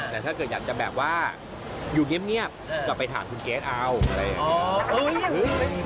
แต่ถ้าเกิดอยากจะแบบว่าอยู่เงียบกลับไปถามคุณเกรทเอาอะไรอย่างนี้